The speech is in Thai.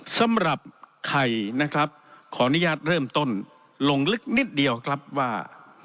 สำหรับไข่นะครับขออนุญาตเริ่มต้นลงลึกนิดเดียวครับว่า